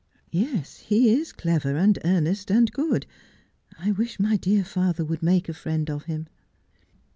'Yes, he is clever and earnest and good. I wish my dear father would make a friend of him.'